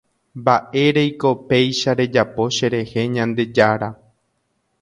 Mba'éreiko péicha rejapo cherehe Ñandejára